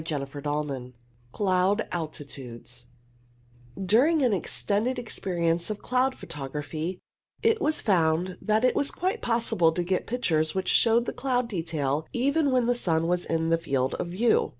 CO I <><■«^ CHAPTER IX CLOUD ALTITUDES During an extended experience of cloud photo graphy, it was found that it was quite possible to get pictures which showed the cloud detail even when the sun was in the field of view.